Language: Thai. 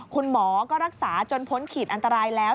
คุณหมอก็รักษาจนพ้นขีดอันตรายแล้ว